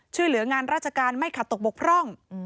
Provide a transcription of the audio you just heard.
ช่วยเหลืองานราชการไม่ขาดตกบกพร่อง